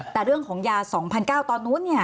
แต่เรื่องของยา๒๙๐๐ตอนนู้น